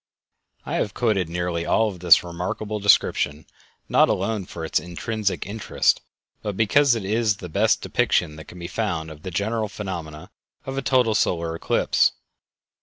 I have quoted nearly all of this remarkable description not alone for its intrinsic interest, but because it is the best depiction that can be found of the general phenomena of a total solar eclipse.